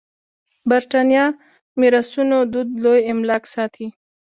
برېتانيه میراثونو دود لوی املاک ساتي.